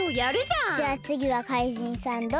じゃあつぎはかいじんさんどうぞ。